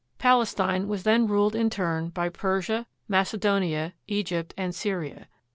Palestine was then ruled in turn by Persia, Macedonia, Egypt, and Syria.